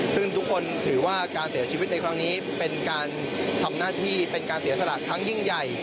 ซึ่งทุกคนถือว่าการเสียชีวิตในครั้งนี้เป็นการทำหน้าที่เป็นการเสียสละครั้งยิ่งใหญ่